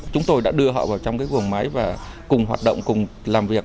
chúng tôi đã đưa họ vào trong cái vùng máy và cùng hoạt động cùng làm việc